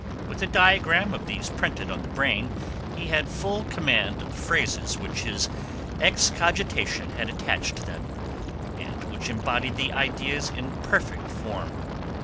With a diagram of these printed on the brain he had full command of the phrases which his excogitation had attached to them, and which embodied the ideas in perfect form.